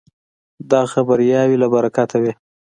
دغه بریاوې له برکته وې.